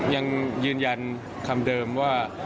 ยังยืนยันคำเดิมว่า